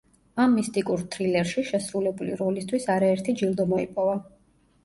ამ მისტიკურ თრილერში შესრულებული როლისთვის არაერთი ჯილდო მოიპოვა.